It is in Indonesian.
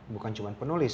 bukan cuma penulis